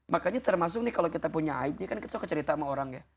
makanya termasuk nih kalau kita punya aibnya kan kita suka cerita sama orang ya